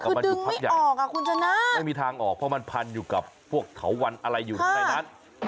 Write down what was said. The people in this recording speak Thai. มาอยู่พักใหญ่ออกอ่ะคุณชนะไม่มีทางออกเพราะมันพันอยู่กับพวกเถาวันอะไรอยู่ในนั้น